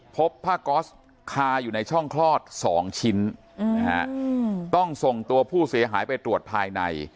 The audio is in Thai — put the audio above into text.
พบผ้าก๊อสคาอยู่ในช่องคลอด๒ชิ้นต้องส่งตัวผู้เสียหายไปตรวจภายใน